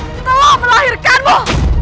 aku telah melahirkanmu